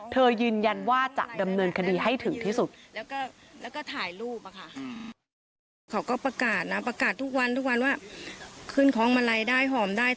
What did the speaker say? ยืนยันว่าจะดำเนินคดีให้ถึงที่สุด